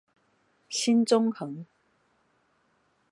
新中橫